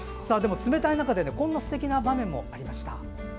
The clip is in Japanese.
冷たい中でもこんなすてきな場面もありました。